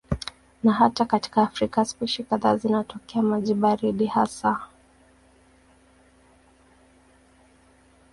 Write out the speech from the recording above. Na hata katika Afrika spishi kadhaa zinatokea maji baridi hasa.